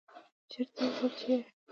چیرته ورک یې.